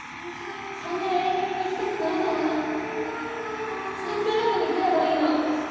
・３年Ａ組に行きたくないならＳＴＥＰルームに来ればいいの。